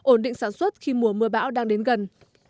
ổn định sản xuất khi mùa mưa bão đang đến gần